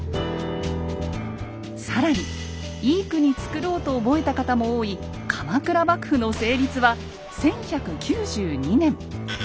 更に「いい国つくろう」と覚えた方も多い鎌倉幕府の成立は１１９２年！